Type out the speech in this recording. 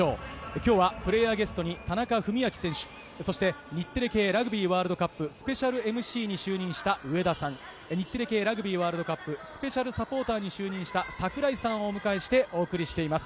きょうはプレーヤーゲストに田中史朗選手、そして、日テレ系ラグビーワールドカップスペシャルＭＣに就任した上田さん、日テレ系ラグビーワールドカップスペシャルサポーターに就任した櫻井さんをお迎えしてお送りしています。